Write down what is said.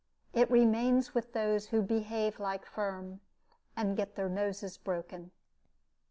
It remains with those who behave like Firm, and get their noses broken.